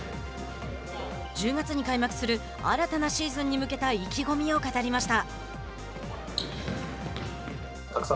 １０月に開幕する新たなシーズンに向けた意気込みを語りました。